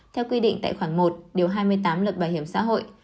theo quy định tại khoảng một điều hai mươi tám lật bảo hiểm xã hội